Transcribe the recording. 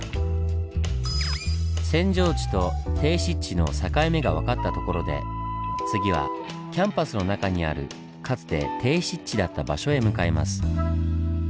扇状地と低湿地の境目が分かったところで次はキャンパスの中にあるかつて低湿地だった場所へ向かいます。